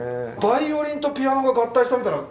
バイオリンとピアノが合体したみたいな。